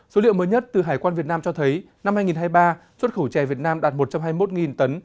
số liệu mới nhất từ hải quan việt nam cho thấy năm hai nghìn hai mươi ba xuất khẩu chè việt nam đạt một trăm hai mươi một tấn